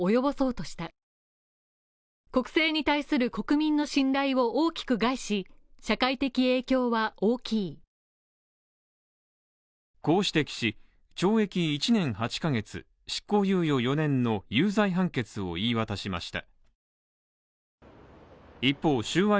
その上でこう指摘し、懲役１年８ヶ月、執行猶予４年の有罪判決を言い渡しました。